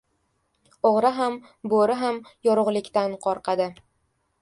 • O‘g‘ri ham, bo‘ri ham yorug‘likdan qo‘rqadi.